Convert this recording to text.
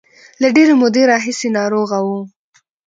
له ډېرې مودې راهیسې ناروغه و.